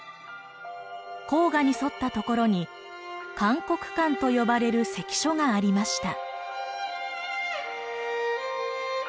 黄河に沿ったところに函谷関と呼ばれる関所がありました。